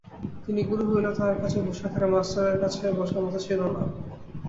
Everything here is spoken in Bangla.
তিনি গুরু হইলেও তাঁহার কাছে বসিয়া থাকা মাষ্টারের কাছে বসার মত ছিল না।